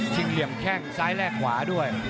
เหลี่ยมแข้งซ้ายแลกขวาด้วย